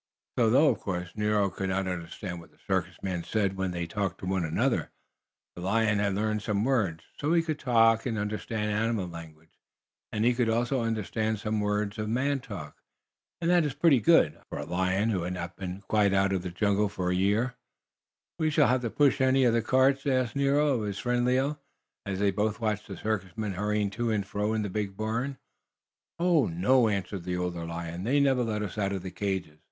So, though of course Nero could not understand what the circus men said when they talked to one another, the lion had learned some words. So he could talk and understand animal language, and he could also understand some words of man talk. And that is pretty good, I think, for a lion who had not been out of the jungle quite a year. "Shall we have to push any of the cages?" asked Nero of his friend Leo, as they both watched the circus men hurrying to and fro in the big barn. "Oh, no," answered the older lion. "They never let us out of the cages."